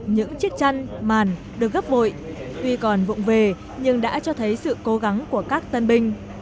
những chiếc chăn màn được gấp bội tuy còn vụn về nhưng đã cho thấy sự cố gắng của các tân binh